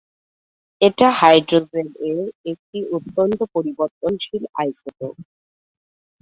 এটা হাইড্রোজেন এর একটি অত্যন্ত পরিবর্তনশীল আইসোটোপ।